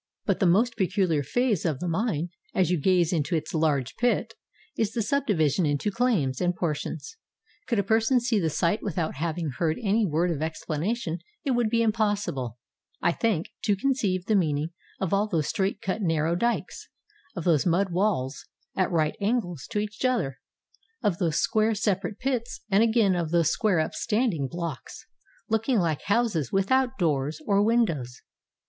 But the most peculiar phase of the mine, as you gaze into its large pit, is the subdivision into claims and por tions. Could a person see the sight without having heard any word of explanation it would be impossible, I think, to conceive the meaning of all those straight cut narrow dikes, of those mud walls at right angles to each other, of those square separate pits, and again of those square upstanding blocks, looking like houses without doors or 451 SOUTH AFRICA windows.